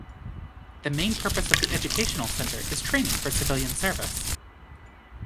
The main purpose of the Educational Center is training for civilian service.